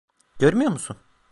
Görmüyor musun?